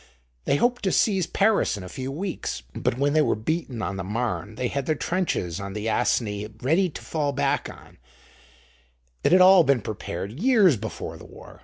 They hoped to seize Paris in a few weeks, but when they were beaten on the Marne they had their trenches on the Aisne ready to fall back on: it had all been prepared years before the war.